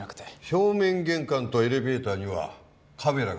正面玄関とエレベーターにはカメラがあったはずだ。